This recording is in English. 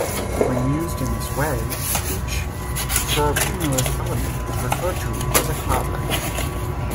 When used in this way, each cirrocumulus element is referred to as a "cloudlet".